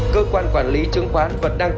cơ quan quản lý chứng khoán vẫn đang